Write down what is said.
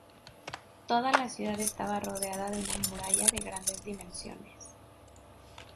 Toda la ciudad estaba rodeada de una muralla de grandes dimensiones.